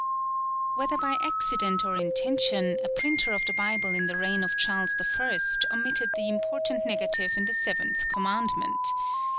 Whether by accident or intention, a printer of the Bible in the reign of Charles I. omitted the important negative in the Seventh Commandment.